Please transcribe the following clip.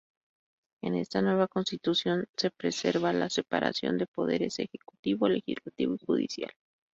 En esta nueva constitución se preserva la separación de poderes, Ejecutivo, Legislativo y Judicial.